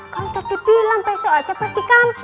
kan udah dibilang besok aja pasti kampus